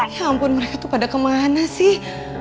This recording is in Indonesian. ya ampun mereka tuh pada kemana sih